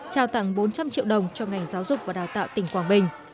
trao tặng bốn trăm linh triệu đồng cho ngành giáo dục và đào tạo tỉnh quảng bình